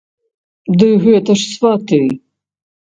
Ды гэта ж сваты!